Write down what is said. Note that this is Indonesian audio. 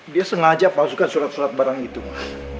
dia sengaja pasukan surat surat barang itu ma